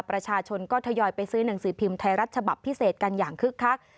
ประชาชนก็ทยอยไปซื้อหนังสือพิมพ์ไทยรัฐฉบับพิเศษกันอย่างคึกคัก